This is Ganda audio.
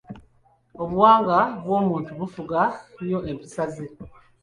Obuwanga bw’omuntu bufuga nnyo empisa ze.